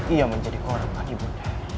ia menjadi korban ibu nda